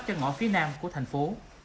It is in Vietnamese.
cho ngõ phía nam của thành phố